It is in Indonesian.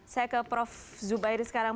saya ke prof zubairi sekarang